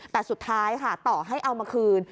แต่สุดท้ายค่ะต่อให้เอามาคืน